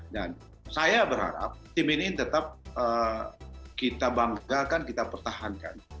dan saya berharap tim ini tetap kita banggakan kita pertahankan